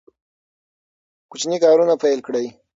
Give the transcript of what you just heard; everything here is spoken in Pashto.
کوچني کارونه پیل کړئ.